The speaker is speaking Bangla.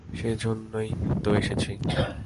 সেজন্যই তো এসেছি।